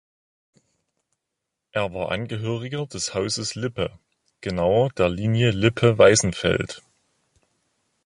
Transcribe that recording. Er war Angehöriger des Hauses Lippe, genauer der Linie Lippe-Weißenfeld.